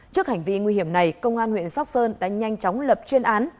trước hành vi nguy hiểm này công an huyện sóc sơn đã nhanh chóng lập chuyên án